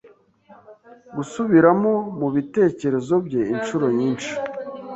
gusubiramo mubitekerezo bye ... inshuro nyinshi,